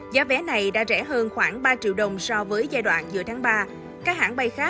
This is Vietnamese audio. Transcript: giá vé này có giá trẻ nhất là ba chín triệu đồng của thái air asia